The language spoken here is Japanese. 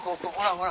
ほら！